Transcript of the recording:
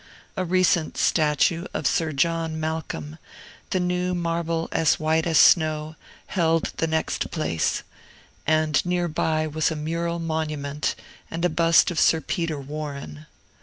A recent statue of Sir John Malcolm, the new marble as white as snow, held the next place; and near by was a mural monument and bust of Sir Peter Warren.